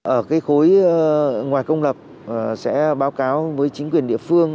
ở cái khối ngoài công lập sẽ báo cáo với chính quyền địa phương